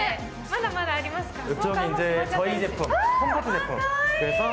まだまだありますからね。